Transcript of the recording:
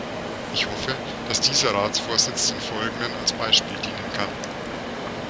Ich hoffe, dass dieser Ratsvorsitz den folgenden als Beispiel dienen kann.